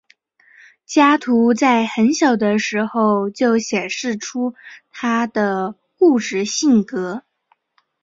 加图在很小的时候就显示出他的固执性格。